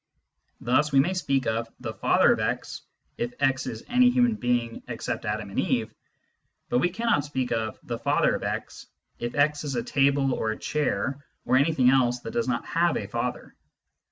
Thus we may speak of " the father of x " if x is any human being except Adam and Eve ; but we cannot speak of " the father of x " if x is a table or a chair or anything else that does not have a father.